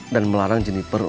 dan melarang jeniper